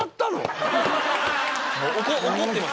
怒ってます？